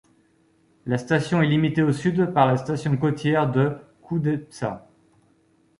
La station est limitée au sud par la station côtière de Koudepsta.